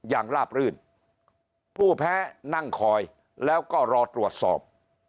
ลาบรื่นผู้แพ้นั่งคอยแล้วก็รอตรวจสอบ